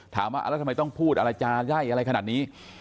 ถามว่าแล้วทำไมต้องพูดอะไรจาไล่อะไรขนาดนี้